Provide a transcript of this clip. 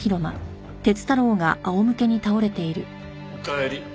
おかえり。